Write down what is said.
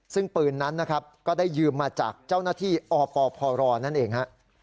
ซึ่งปืนนั้นนะครับก็ได้ยืมมาจากเจ้าหน้าที่อปพรนั่นเองฮะ